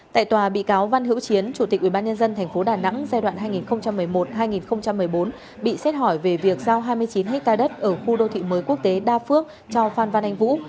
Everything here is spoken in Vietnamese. tại tòa bị cáo văn hữu chiến chủ tịch ubnd tp đà nẵng giai đoạn hai nghìn một mươi một hai nghìn một mươi bốn bị xét hỏi về việc giao hai mươi chín ha đất ở khu đô thị mới quốc tế đa phước cho phan văn anh vũ